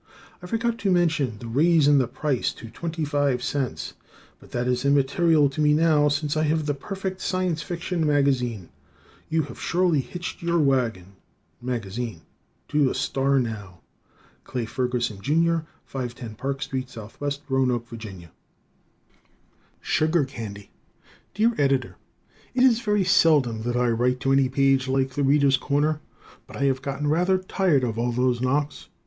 I forgot to mention the raise in the price to twenty five cents, but that is immaterial to me now since I have the perfect science fiction magazine. You have surely hitched your wagon (magazine) to a star now! Clay Ferguson, Jr., 510 Park St. S. W., Roanoke, Va. Sugar Candy Dear Editor: It is very seldom that I write to any page like "The Readers' Corner" but I have gotten rather tired of all those knocks.